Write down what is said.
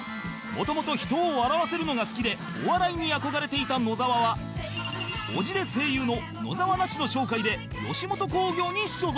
元々人を笑わせるのが好きでお笑いに憧れていた野沢は叔父で声優の野沢那智の紹介で吉本興業に所属